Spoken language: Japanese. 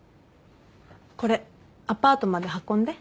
これアパートまで運んで。